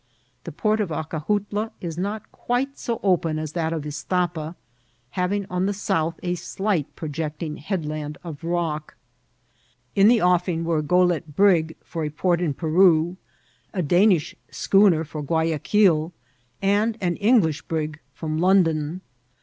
The port of Acajutla is not quite so open as that of Istapa, having on the south a slight projecting headland of rock. In the oS&ag were a goelette brig for a port in Peru, a Danish schooner for Guayaquil, and an English brig from London.